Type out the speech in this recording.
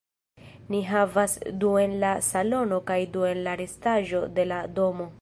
Ni havas du en la salono kaj du en la restaĵo de la domo.